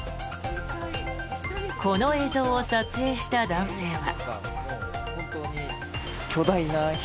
この映像を撮影した男性は。